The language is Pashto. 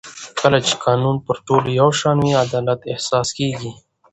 کله چې قانون پر ټولو یو شان وي عدالت احساس کېږي